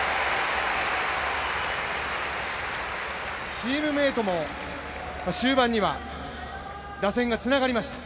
チームメイトも終盤には打線がつながりました。